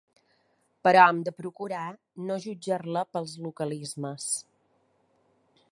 Però hem de procurar no jutjar-la pels localismes.